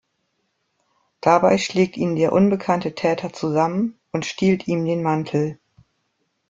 Dabei schlägt ihn der unbekannte Täter zusammen und stiehlt ihm den Mantel.